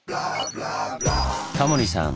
タモリさん